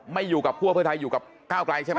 ไม่อยู่กับคั่วเพื่อไทยอยู่กับก้าวไกลใช่ไหม